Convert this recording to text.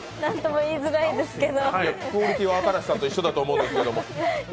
クオリティーは新子さんと一緒だと思いますけど。